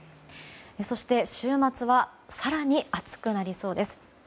そして、週末は更に暑くなりそうです。